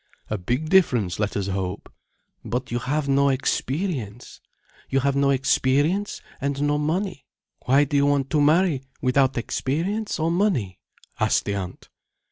"A big difference, let us hope." "But you have no experience—you have no experience, and no money. Why do you want to marry, without experience or money?" asked the aunt.